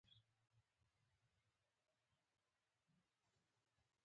ته د خپل سکون او ارام سره راشه.